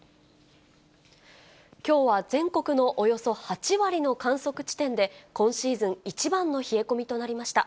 きょうは全国のおよそ８割の観測地点で、今シーズン一番の冷え込みとなりました。